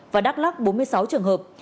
và đắk lắc bốn mươi sáu trường hợp